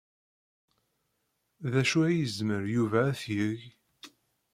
D acu ay yezmer Yuba ad t-yeg?